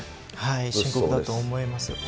深刻だと思います。